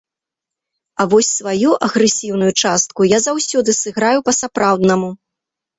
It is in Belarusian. А вось сваю агрэсіўную частку я заўсёды сыграю па-сапраўднаму.